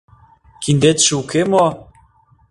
— Киндетше уке мо?